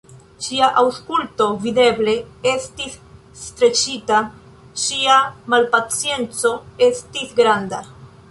Ŝia aŭskulto videble estis streĉita, ŝia malpacienco estis granda.